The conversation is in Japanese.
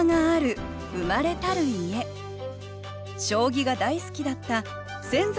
将棋が大好きだった先崎